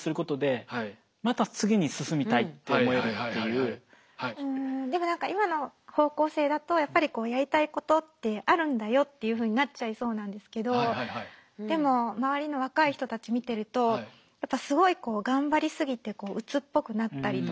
うんでも何か今の方向性だとやっぱりこうやりたいことってあるんだよっていうふうになっちゃいそうなんですけどでも周りの若い人たち見てるとやっぱすごい頑張りすぎてうつっぽくなったりとか。